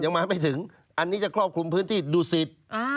มาไม่ถึงอันนี้จะครอบคลุมพื้นที่ดูสิต